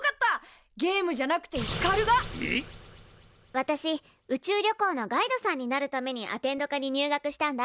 私宇宙旅行のガイドさんになるためにアテンド科に入学したんだ。